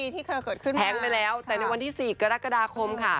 เธอบอกแพงไปแล้วแต่ในวันที่๔กรกฎาคมค่ะ